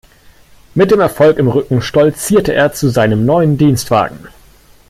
Mit dem Erfolg im Rücken stolzierte er zu seinem neuen Dienstwagen.